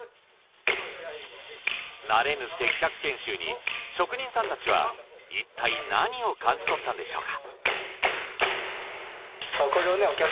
慣れぬ接客研修に職人さんたちはいったい何を感じ取ったんでしょうか？